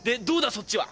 そっちは？